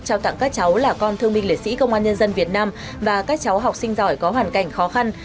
trao tặng các cháu là con thương minh lễ sĩ công an nhân dân việt nam và các cháu học sinh giỏi có hoàn cảnh khó khăn